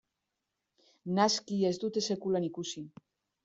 Naski ez dute sekulan ikusi.